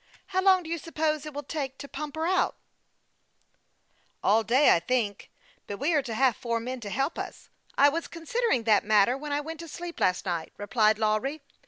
How long do you suppose it will take us to pump her out ?"" All day, I think ; but we are to have four men to help us. I was considering that matter when I went to sleep last night," replied Lawry.